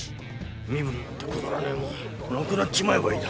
身分なんてくだらねえもんなくなっちまえばいいだ。